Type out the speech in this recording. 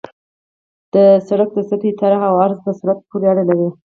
د سرک د سطحې طرح او عرض په سرعت پورې اړه لري